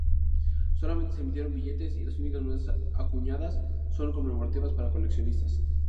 Solamente se emitieron billetes, y las únicas monedas acuñadas son conmemorativas para coleccionistas.